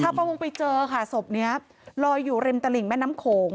ชาวพระมงค์ไปเจอค่ะสบเนี้ยลอยอยู่เร็มตะหลิงแม่น้ำโขง